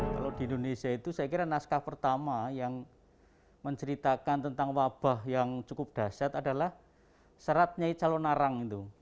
kalau di indonesia itu saya kira naskah pertama yang menceritakan tentang wabah yang cukup dasar adalah seratnya calon arang itu